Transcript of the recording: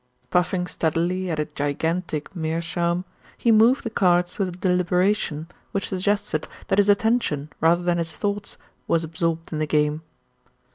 Puffing steadily at a gigantic meerschaum, he moved the cards with a deliberation which suggested that his attention rather than his thoughts was absorbed in the game.